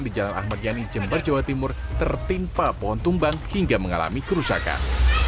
di jalan ahmad yani jember jawa timur tertimpa pohon tumbang hingga mengalami kerusakan